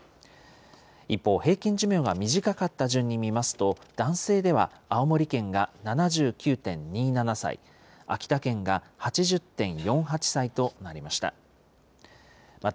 一方平均寿命が短かった順に見ますと、男性では青森県が７９．２７歳、秋田県が８０．４８歳となりました。